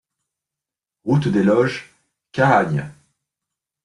Route des Loges, Cahagnes